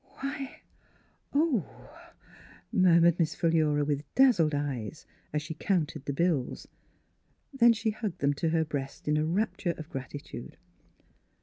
" Why — why !" murmured Miss Phi lura, with dazzled eyes, as she counted the bills. Then she hugged them to her breast in a rapture of gratitude.